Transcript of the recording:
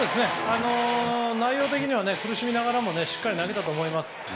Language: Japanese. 内容的には苦しみながらもしっかり投げたと思います。